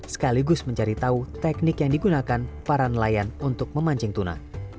sekaligus mencari tahu teknik yang digunakan para nelayan untuk memancing tuna